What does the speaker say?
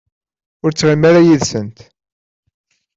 Ur ttɣimi ara yid-sent.